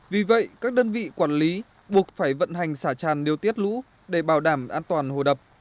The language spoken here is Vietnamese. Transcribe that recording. vì vậy các đơn vị quản lý buộc phải vận hành xả tràn điều tiết lũ để bảo đảm an toàn hồ đập